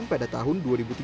pada tahun dua ribu tiga belas